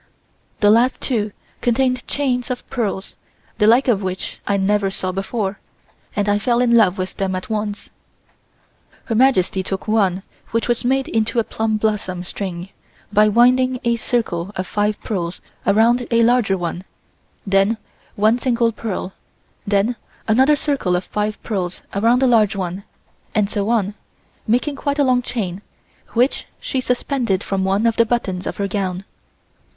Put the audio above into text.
The last two contained chains of pearls, the like of which I never saw before, and I fell in love with them at once. Her Majesty took one which was made into a plum blossom string by winding a circle of five pearls around a larger one, then one single pearl, then another circle of five pearls around a large one, and so on, making quite a long chain, which she suspended from one of the buttons of her gown.